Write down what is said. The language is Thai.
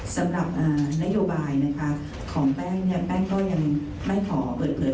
สำหรับนโยบายนะคะของแป้งเนี่ยแป้งก็ยังไม่ขอเปิดเผย